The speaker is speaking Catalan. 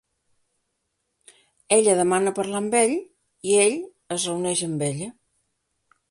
Ella demana parlar amb ell i ell es reuneix amb ella.